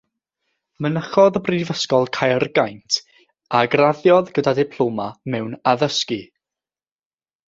Mynychodd Brifysgol Caergaint a graddiodd gyda Diploma mewn Addysgu.